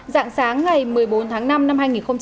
dạng sáng ngày một mươi bốn tháng năm năm hai nghìn một mươi sáu